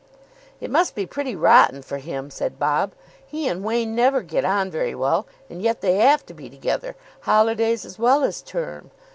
"It must be pretty rotten for him," said Bob. "He and Wain never get on very well, and yet they have to be together, holidays as well as term.